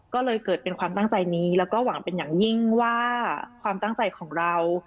ก็เลยเกิดเป็นความตั้งใจนี้แล้วก็หวังเป็นอย่างยิ่งว่าความตั้งใจของเรา